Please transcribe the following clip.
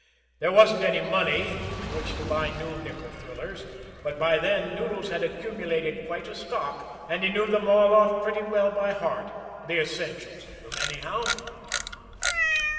There wasn't any money with which to buy new nickel thrillers, but by then Noodles had accumulated quite a stock, and he knew them all off pretty well by heart, the essentials of them, anyhow.